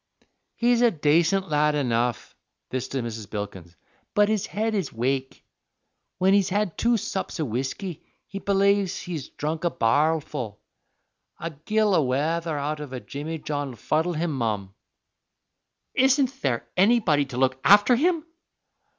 "He's a dacent lad enough" this to Mrs. Bilkins "but his head is wake. Whin he's had two sups o' whisky he belaves he's dhrunk a bar'lful. A gill o' wather out of a jimmy john'd fuddle him, mum." "Isn't there anybody to look after him?"